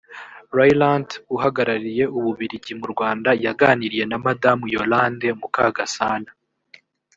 ryelandt uhagarariye ububiligi mu rwanda yaganiriye na madamu yolande mukagasana